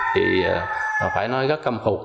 thì phải nói rất căm phục